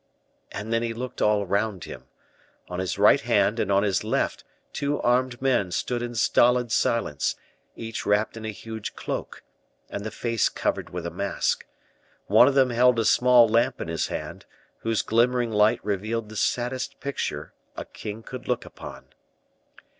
And then he looked all round him. On his right hand and on his left two armed men stood in stolid silence, each wrapped in a huge cloak, and the face covered with a mask; one of them held a small lamp in his hand, whose glimmering light revealed the saddest picture a king could look upon.